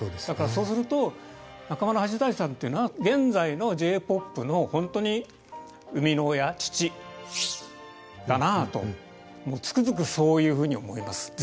だからそうすると中村八大さんっていうのは現在のＪーＰＯＰの本当に生みの親父だなあともうつくづくそういうふうに思います。